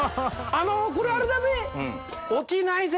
あのこれあれだぜ。